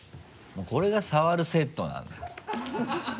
もうこれが触るセットなんだ？